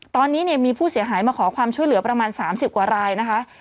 ตอนนี้มีผู้เสียหายมาขอความช่วยเหลือประมาณ๓๐กว่ารายนะคะ